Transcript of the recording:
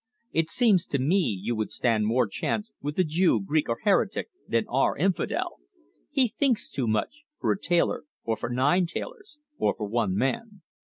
It seems to me you would stand more chance with the Jew, Greek, or heretic, than our infidel. He thinks too much for a tailor, or for nine tailors, or for one man."